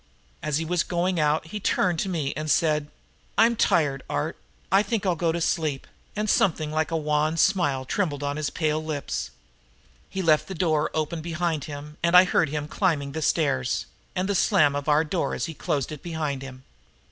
As he was going out he turned to me and said: "I'm tired, Art. I think I'll go to sleep," and something like a wan smile trembled on his pale lips. He left the door open behind him and I heard him climbing the stairs, and the slam of our door as he closed it behind him.